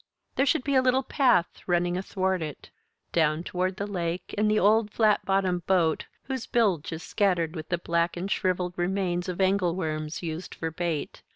There should be a little path running athwart it, down toward the lake and the old flat bottomed boat, whose bilge is scattered with the black and shriveled remains of angleworms used for bait.